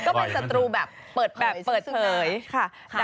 ก็เป็นศัตรูแบบเปิดเผยซึ่งซึ่งหน้า